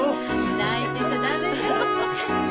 泣いてちゃ駄目よ。